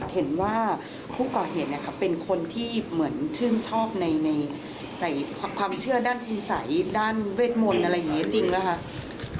เห็นว่าผู้ก่อเหตุเป็นคนที่เหมือนชื่นชอบในความเชื่อด้านคุณสัยด้านเวทมนต์อะไรอย่างนี้จริงนะคะ